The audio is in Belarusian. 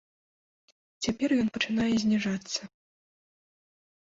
Цяпер ён пачынае зніжацца.